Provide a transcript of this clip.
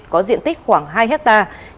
có diện tích khoảng hai hectare